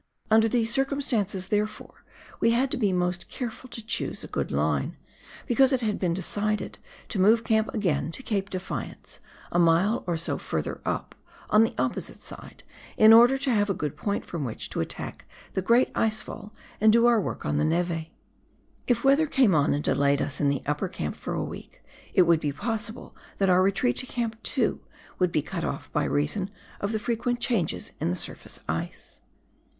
Under these circumstances, therefore, we had to be most careful to choose a good line, because it had been decided to move camp again to Cape Defiance, a mile or so further up on the opposite side, in order to have a good point from which to attack the great ice fall and do our work on the neve. If bad weather came on and delayed us in the upper camp for a week, it would be possible that our retreat to Camp 2 would be cut off by reason of the frequent changes in the surface ice.